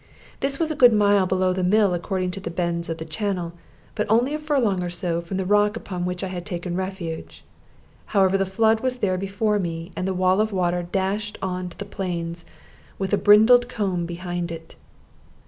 This was a good mile below the mill according to the bends of channel, but only a furlong or so from the rock upon which I had taken refuge. However, the flood was there before me, and the wall of water dashed on to the plains, with a brindled comb behind it.